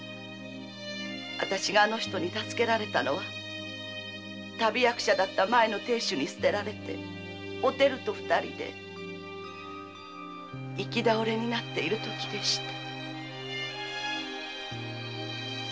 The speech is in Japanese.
私があの人に助けられたのは旅役者だった前の亭主に捨てられおてると二人で行き倒れになっているときでした。